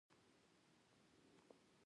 د انګلیسي ژبې زده کړه مهمه ده ځکه چې مغز روزي.